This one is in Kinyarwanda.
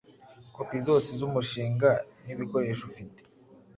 kopi zose zumushinga nibikoresho ufite